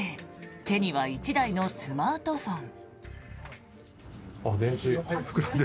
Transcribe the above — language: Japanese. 手には１台のスマートフォン。